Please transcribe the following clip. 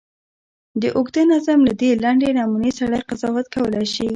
د اوږده نظم له دې لنډې نمونې سړی قضاوت کولای شي.